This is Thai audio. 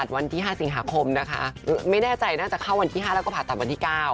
ส่วนงานแสดงก็ทำว่าพูดกันไป